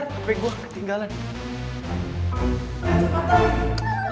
hp gue ketinggalan